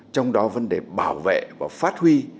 trong đó vấn đề bảo vệ và phát huy